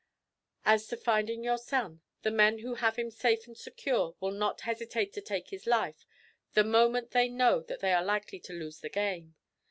As to finding your son, the men who have him safe and secure will not hesitate to take his life the moment they know that they are likely to lose the game.